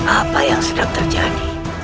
apa yang sedang terjadi